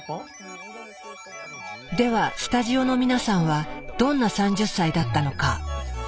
ではスタジオの皆さんはどんな３０歳だったのか？